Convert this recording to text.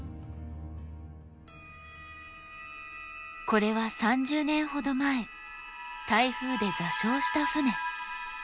これは３０年ほど前台風で座礁した船。